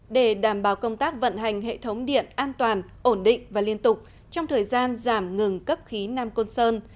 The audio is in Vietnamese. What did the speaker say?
để đảm bảo công tác vận hành hệ thống điện an toàn ổn định và liên tục trong thời gian giảm ngừng cấp khí nam côn sơn